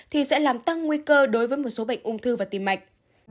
thì sẽ làm tăng nguy cơ đối với một số bệnh ung thư và tim mạch